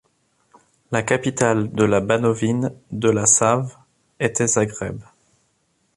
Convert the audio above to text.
La capitale de la Banovine de la Save était Zagreb.